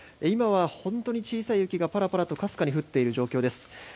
今は本当に小さな雪がパラパラとかすかに降っている状況です。